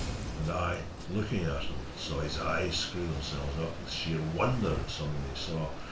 And I, looking at him, saw his eyes screw themselves up with sheer wonder at something he saw.